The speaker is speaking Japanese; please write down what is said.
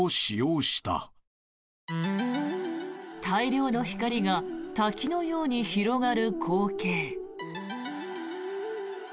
大量の光が滝のように広がる光景。